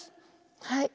はい。